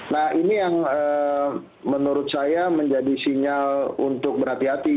nah ini yang menurut saya menjadi sinyal untuk berhati hati